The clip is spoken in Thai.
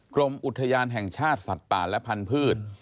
กรมอุทยานแห่งชาติสัตว์ป่าและพันธุ์